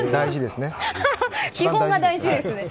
基本が大事ですね。